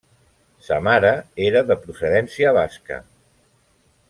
Sa mare era de procedència basca.